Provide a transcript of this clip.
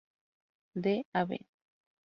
De Av.